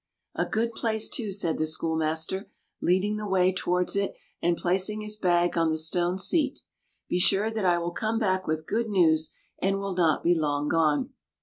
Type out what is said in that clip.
"A good place, too," said the schoolmaster, leading the way towards it, and placing his bag on the stone seat. "Be sure that I will come back with good news, and will not be long gone."